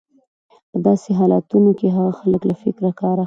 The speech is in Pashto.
په داسې حالتونو کې هغه خلک له فکره کار اخلي.